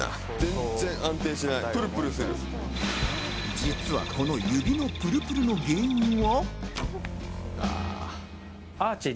実は、この指のプルプルの原因は。